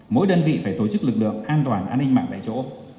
mỗi đơn vị phải tổ chức lực lượng an toàn an ninh mạng tại chỗ